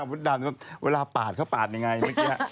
ดำเวลาปาดเขาปาดยังไงเมื่อกี้